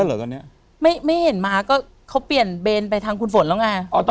แล้วใครแทนล่ะ